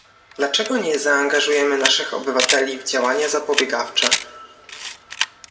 Dlaczego nie zaangażujemy naszych obywateli w działania zapobiegawcze